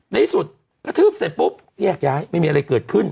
ในสุดกระทืบเสร็จปุ๊บแยกย้ายไม่มีอะไรเกิดขึ้น